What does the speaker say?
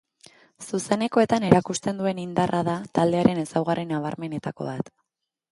Zuzenekoetan erakusten duen indarra da taldearen ezaugarri nabarmenetako bat.